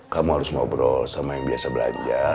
kamu harus ngobrol sama yang biasa belanja